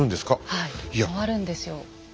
はい回るんですよ。